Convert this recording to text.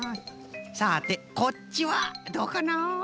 さてこっちはどうかな？